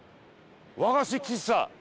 「和菓子喫茶」。